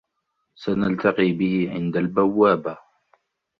سنلتقي به عند البوابة.